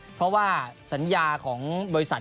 เพราะว่าสัญญาของบริษัท